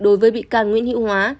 đối với bị can nguyễn hữu hóa